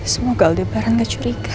semoga aldebaran gak curiga